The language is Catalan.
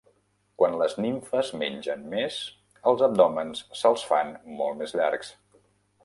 Quan les nimfes mengen més, els abdòmens se'ls fan molt més llargs.